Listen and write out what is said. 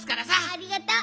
ありがとう。